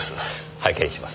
拝見します。